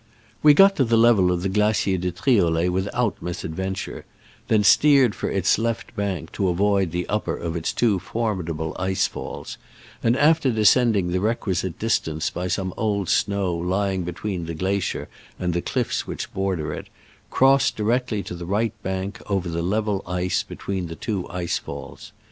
We got to the level of the Glacier de Triolet without misadventure, then steer ed for its left bank to avoid the upper of its two formidable ice falls, and after de scending the requisite distance by some old snow lying between the glacier and the cliffs which border it, crossed direct ly to the right bank over the level ice between the two ice falls.